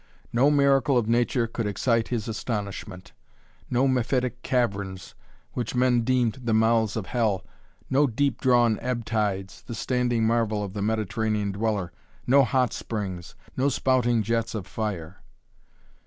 No miracle of nature could excite his astonishment no mephitic caverns, which men deemed the mouths of hell, no deep drawn ebb tides the standing marvel of the Mediterranean dweller, no hot springs, no spouting jets of fire.